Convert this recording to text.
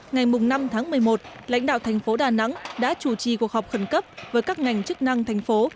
ngày năm tháng một mươi một lãnh đạo thành phố đà nẵng đã chủ trì cuộc họp khẩn cấp với các ngành chức năng thành phố